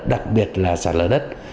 đặc biệt là sắt lở đất